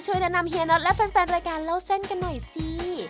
แนะนำเฮียน็อตและแฟนรายการเล่าเส้นกันหน่อยสิ